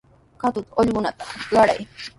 Katuta allqukunata qaray.